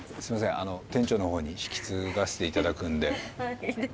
あの店長の方に引き継がせていただくんではいいいです